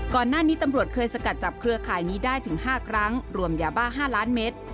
ก่อนหน้านี้ตำรวจเคยสกัดจับเครือข่ายนี้ได้ถึง๕ครั้งรวมยาบ้า๕ล้านเมตร